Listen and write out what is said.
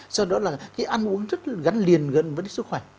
sau đó là cái ăn uống rất gắn liền gần với sức khỏe